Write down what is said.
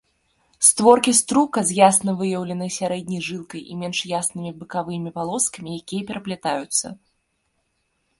Створкі струка з ясна выяўленай сярэдняй жылкай і менш яснымі бакавымі палоскамі, якія пераплятаюцца.